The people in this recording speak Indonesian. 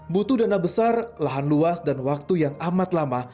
butuh dana besar lahan luas dan waktu yang amat lama